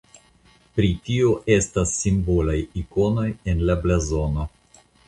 Pri tio estas simbolaj ikonoj en la blazono.